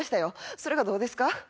それがどうですか？